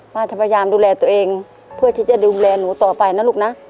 จะพยายามดูแลตัวเองเพื่อที่จะดูแลหนูต่อไปนะลูกนะ